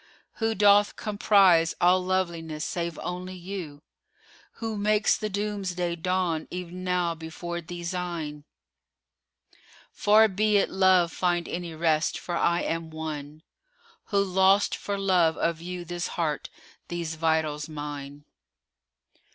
Who doth comprise all loveliness save only you? * Who makes the Doomsday dawn e'en now before these eyne? Far be it Love find any rest, for I am one * Who lost for love of you this heart, these vitals mine.